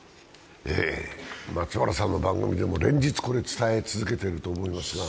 松原さんの番組でも連日これ伝え続けていると思いますが？